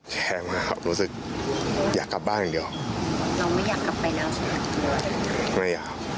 ที่นี่จะกลับให้